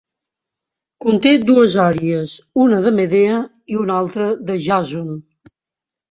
Conté dues "àries", una de Medea i una altra de Jàson.